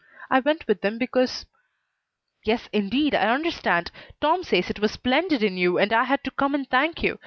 I went with them because " "Yes, indeed, I understand! Tom says it was splendid in you and I had to come and thank you.